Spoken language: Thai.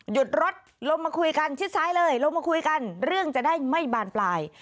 รถลงมาคุยกันชิดซ้ายเลยลงมาคุยกันเรื่องจะได้ไม่บานปลาย